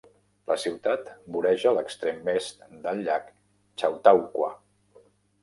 La ciutat voreja l'extrem est del llac Chautauqua.